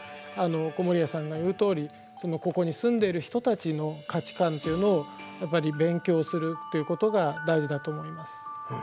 籠谷さんが言うとおりここに住んでいる人たちの価値観っていうのをやっぱり勉強するっていうことが大事だと思います。